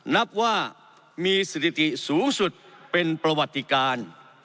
นับว่ามีสถิติสูงสุดเป็นประวัติการ